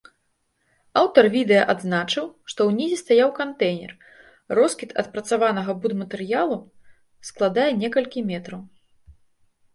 Аўтар відэа адзначыў, што ўнізе стаяў кантэйнер, роскід адпрацаванага будматэрыялу складае некалькі метраў.